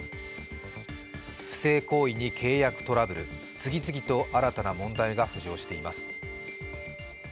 不正行為に契約トラブル、次々と新たな問題が浮上しています。